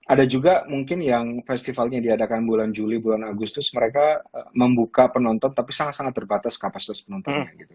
ada juga mungkin yang festivalnya diadakan bulan juli bulan agustus mereka membuka penonton tapi sangat sangat terbatas kapasitas penontonnya gitu